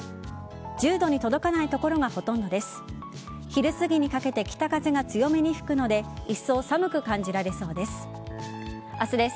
１０度に届かない所がほとんどです。